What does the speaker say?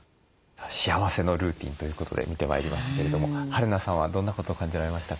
幸せのルーティンということで見てまいりましたけれどもはるなさんはどんなことを感じられましたか？